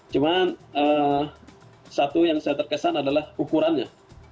cuma satu yang saya terkesan adalah ukurannya